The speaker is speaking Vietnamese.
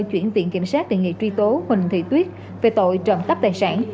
chuyển tiện kiểm soát địa nghị truy tố huỳnh thị tuyết về tội trộm tắp tài sản